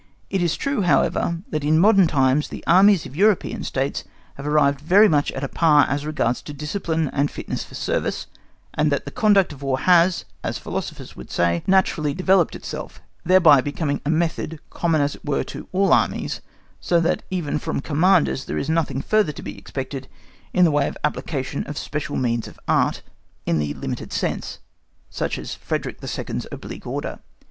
It is true, however, that in modern times the Armies of European states have arrived very much at a par as regards discipline and fitness for service, and that the conduct of War has—as philosophers would say—naturally developed itself, thereby become a method, common as it were to all Armies, so that even from Commanders there is nothing further to be expected in the way of application of special means of Art, in the limited sense (such as Frederick the Second's oblique order).